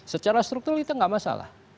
secara struktur itu tidak masalah